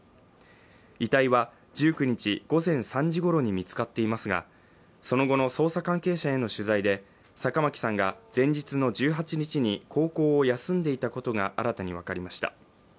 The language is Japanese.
遺体は１９日午前３時ごろに見つかっていますがその後の捜査関係者への取材で坂巻さんが前日の１８日に高校を休んでいたことが新たに分かりました。